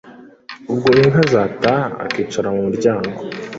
Ubwo inka zataha akicara mu muryango